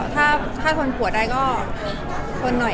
ถ้าคนปวดได้ก็ทนหน่อย